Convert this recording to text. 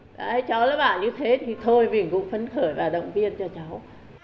đấy cháu nó bảo như thế thì thôi mình cũng phấn khởi và động viên cho cháu